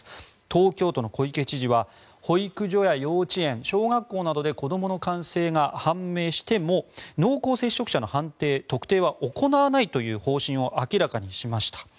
東京都の小池知事は保育所や幼稚園、小学校などで子どもの感染が判明しても濃厚接触者の判定・特定は行わないという方針を明らかにしました。